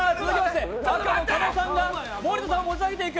狩野さんが森田さんを持ち上げている。